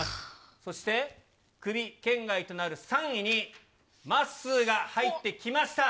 そして、クビ圏外となる３位にまっすーが入ってきました。